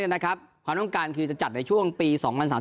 ความต้องการคือจะจัดในช่วงปี๒๐๓๐